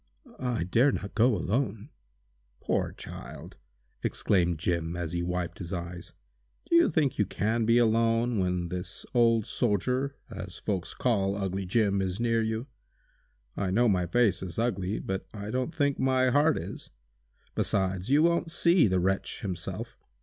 "I dare not go alone!" "Poor child!" exclaimed Jim, as he wiped his eyes. "Do you think you can be alone when this old soldier, as folks call 'ugly Jim,' is near you? I know my face is ugly, but I don't think my heart is! Besides, you won't see the wretch himself.